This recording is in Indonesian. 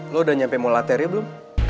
lo udah nyampe mall latar belom